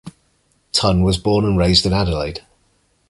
Tunn was born and raised in Adelaide.